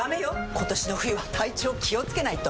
今年の冬は体調気をつけないと！